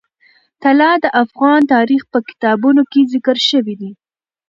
طلا د افغان تاریخ په کتابونو کې ذکر شوی دي.